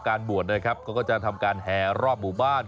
บวชนะครับเขาก็จะทำการแห่รอบหมู่บ้าน